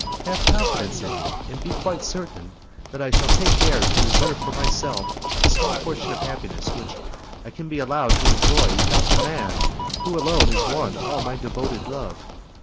"Have confidence in me, and be quite certain that I shall take care to reserve for myself the small portion of happiness which I can be allowed to enjoy without the man who alone has won all my devoted love.